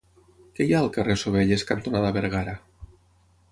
Què hi ha al carrer Sovelles cantonada Bergara?